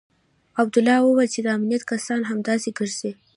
عبدالله وويل چې د امنيت کسان همداسې ګرځي.